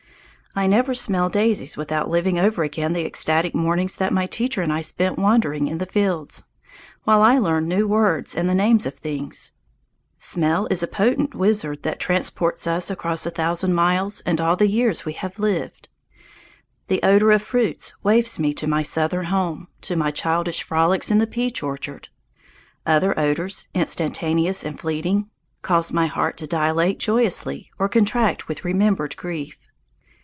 I never smell daisies without living over again the ecstatic mornings that my teacher and I spent wandering in the fields, while I learned new words and the names of things. Smell is a potent wizard that transports us across a thousand miles and all the years we have lived. The odour of fruits wafts me to my Southern home, to my childish frolics in the peach orchard. Other odours, instantaneous and fleeting, cause my heart to dilate joyously or contract with remembered grief.